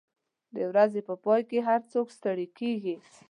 د ورځې په پای کې هر څوک ستړي کېږي.